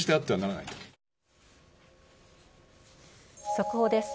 速報です。